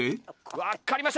分かりました。